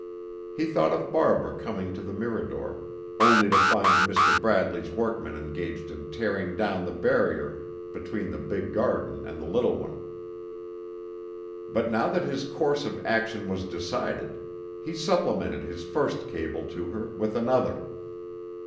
He thought of Barbara coming to the Mirador, only to find Mr. Bradley's workmen engaged in tearing down the barrier between the big garden and the little one. But now that his course of action was decided, he supplemented his first cable to her with another.